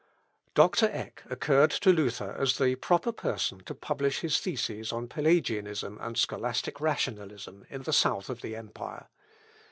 Doctor Eck occurred to Luther as the proper person to publish his theses on Pelagianism and scholastic rationalism in the south of the empire.